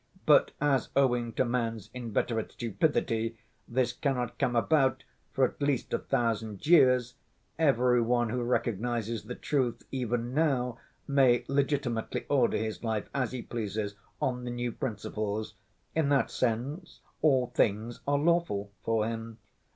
But as, owing to man's inveterate stupidity, this cannot come about for at least a thousand years, every one who recognizes the truth even now may legitimately order his life as he pleases, on the new principles. In that sense, 'all things are lawful' for him.